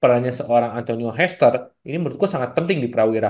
perannya seorang antonio hester ini menurut gue sangat penting di pra wira